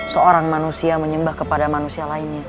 seorang manusia menyembah kepada manusia lainnya